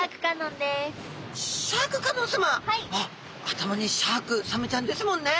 頭にシャークサメちゃんですもんね。